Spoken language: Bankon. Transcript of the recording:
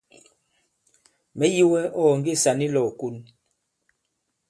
Mɛ̀ yi wɛ ɔ̂ ɔ̀ nge sàn i lɔ̄w ìkon.